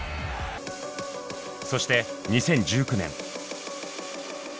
そして２０１９年。